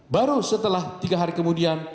baru setelah tiga hari kemudian